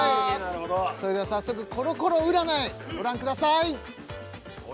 それでは早速コロコロ占いご覧ください